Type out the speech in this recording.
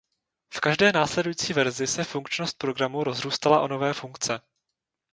V každé následující verzi se funkčnost programu rozrůstala o nové funkce.